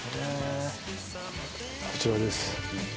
こちらです。